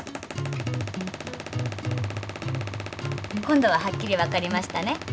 今度ははっきりわかりましたね。